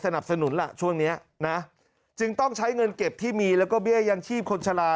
นะจึงต้องใช้เงินเก็บที่มีแล้วก็เบี้ยยังชีพคนชะลา